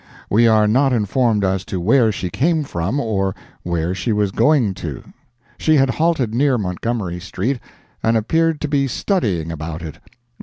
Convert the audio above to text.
We are not informed as to where she came from or where she was going to—she had halted near Montgomery street, and appeared to be studying about it.